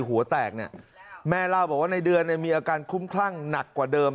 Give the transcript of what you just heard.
หัวแตกเนี่ยแม่เล่าบอกว่าในเดือนเนี่ยมีอาการคุ้มคลั่งหนักกว่าเดิม